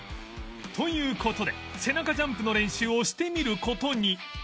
という事で背中ジャンプの練習をしてみる事に